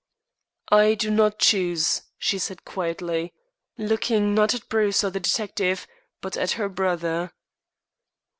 "I do not choose," she said quietly, looking, not at Bruce or the detective, but at her brother.